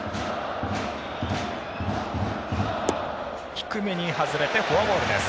低めに外れて、フォアボールです。